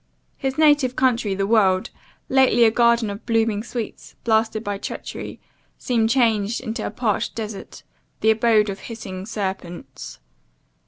His native country, the world! lately a garden of blooming sweets, blasted by treachery, seemed changed into a parched desert, the abode of hissing serpents.